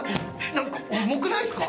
なんか、重くないですか！？